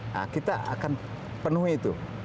nah kita akan penuhi itu